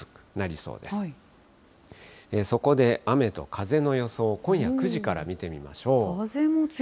そこで雨と風の予想、今夜９時から見てみましょう。